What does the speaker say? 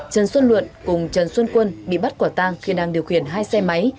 trần xuân luận cùng trần xuân quân bị bắt quả tang khi đang điều khiển hai xe máy